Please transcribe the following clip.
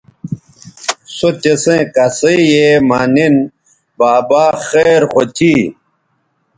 سو تسیئں کسئ یے مہ نِن بابا خیر خو تھی